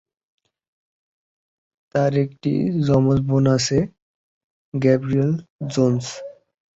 তার একটি যমজ বোন আছে, গ্যাব্রিয়েল জোন্স।